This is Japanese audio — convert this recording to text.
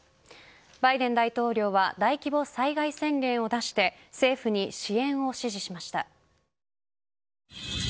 バイデン大統領は大規模災害宣言を出して政府に支援を指示しました。